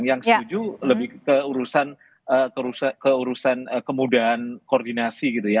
yang setuju lebih keurusan kemudahan koordinasi gitu ya